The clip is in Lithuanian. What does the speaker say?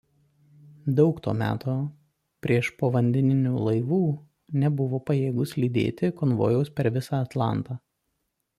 Daug to meto priešpovandeninių laivų nebuvo pajėgūs lydėti konvojus per visą Atlantą.